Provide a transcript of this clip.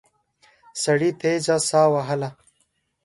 سړي تېزه ساه وهله.